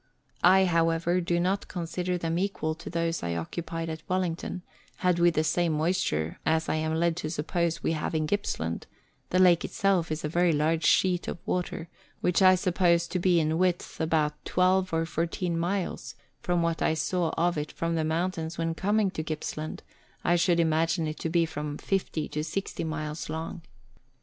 I, however, do not consider them equal to those I occupied at Wellington, had we the same moisture as I am led to suppose we have in Gippsland ; the lake itself is a very large sheet of water, which I suppose to be in width about twelve or fourteen 132 Letters from Victorian Pioneers. miles, and from what I saw of it from the mountains when coming to Gippslancl, I should imagine it to be from fifty to sixty miles long.